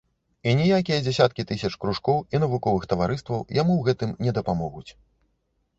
І ніякія дзясяткі тысяч кружкоў і навуковых таварыстваў яму ў гэтым не дапамогуць.